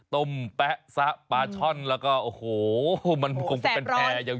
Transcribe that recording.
ต้มแป๊ะซะปลาช่อนแล้วก็โอ้โหมันคงเป็นแพร่อย่าง